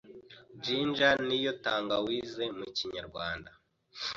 ginger niyo tangawizi mukinyarwanda